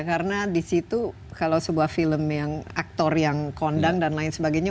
karena disitu kalau sebuah film yang aktor yang kondang dan lain sebagainya